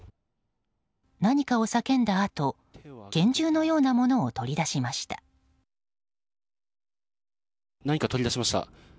何かを叫んだあと拳銃のようなものを何か取り出しました。